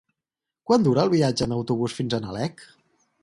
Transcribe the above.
Quant dura el viatge en autobús fins a Nalec?